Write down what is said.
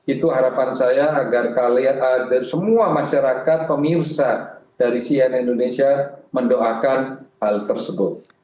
itu harapan saya agar kalian dan semua masyarakat pemirsa dari cnn indonesia mendoakan hal tersebut